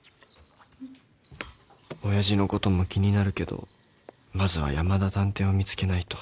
親父のことも気になるけどまずは山田探偵を見つけないと